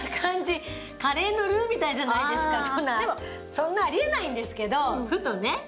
そんなありえないんですけどふとね。